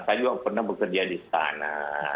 saya juga pernah bekerja di istana